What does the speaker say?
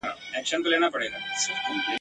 له هغه پیونده جوړ د ژوندون خوند کړي ..